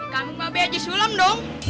kamu ngambil aji sulam dong